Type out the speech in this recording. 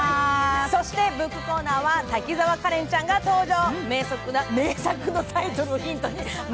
そしてブックコーナーは滝沢カレンちゃんが登場。